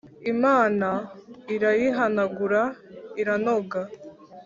imana irayihanagura iranoga